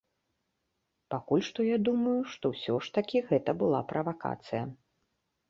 Пакуль што я думаю, што ўсё ж такі гэта была правакацыя.